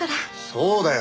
そうだよ！